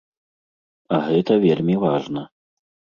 А гэта вельмі важна.